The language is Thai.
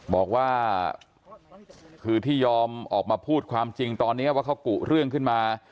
บอกว่าคือที่ยอมออกมาพูดความจริงตอนนี้ว่าเขากุเรื่องขึ้นมา